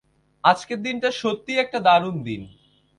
আজকের দিনটা সত্যিই একটা দারুণ দিন।